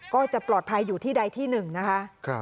ก็จะปลอดภัยอยู่ที่ใดที่หนึ่งนะคะ